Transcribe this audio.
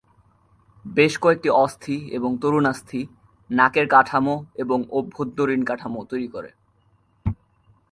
বেশ কয়েকটি অস্থি এবং তরুণাস্থি নাকের কাঠামো এবং অভ্যন্তরীণ কাঠামো তৈরি করে।